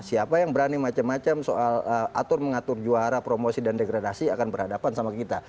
siapa yang berani macam macam soal atur mengatur juara promosi dan degradasi akan berhadapan sama kita